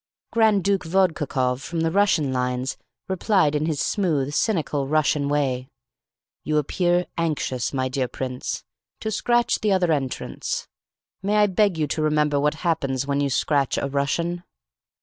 Grand Duke Vodkakoff, from the Russian lines, replied in his smooth, cynical, Russian way: "You appear anxious, my dear prince, to scratch the other entrants. May I beg you to remember what happens when you scratch a Russian?"